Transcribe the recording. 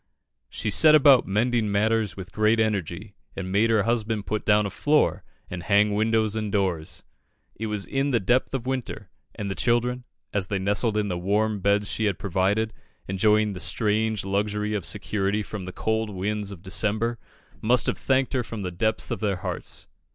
"She set about mending matters with great energy, and made her husband put down a floor, and hang windows and doors." It was in the depth of winter, and the children, as they nestled in the warm beds she had provided, enjoying the strange luxury of security from the cold winds of December, must have thanked her from the depths of their hearts.